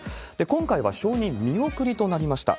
今回は承認見送りとなりました。